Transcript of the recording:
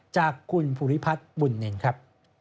จากคุณภูริพัฒน์บุญนินครับ